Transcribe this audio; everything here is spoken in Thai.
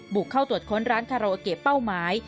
บุกเข้าตรวจค้นร้านคาราโอเกะเป้าหมาย